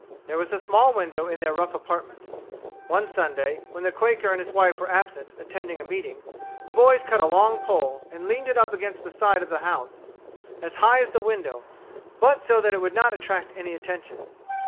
There was a small window in their rough apartment. One Sunday, when the Quaker and his wife were absent attending a meeting, the boys cut a long pole, and leaned it up against the side of the house, as high as the window, but so that it would not attract any attention.